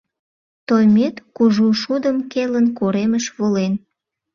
Тоймет, кужу шудым келын, коремыш волен.